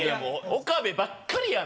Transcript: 岡部ばっかりやん！